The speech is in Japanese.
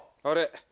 あれ。